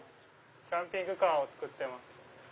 キャンピングカーを造ってます。